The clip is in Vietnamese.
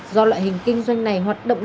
do loại hình kinh doanh này hoạt động rất nhiều